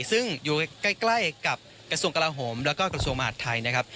ซึ่งอยู่ใกล้กับกระทรวงกลาโหมแล้วก็กระทรวงมหาดไทยนะครับ